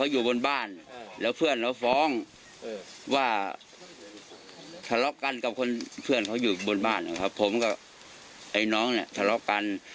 อยู่บนบ้านนะครับผมก็ไอ้น้องเนี่ยสละกัน